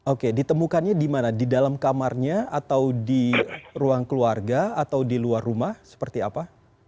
oke ditemukannya di mana di dalam kamarnya atau di ruang keluarga atau di luar rumah seperti apa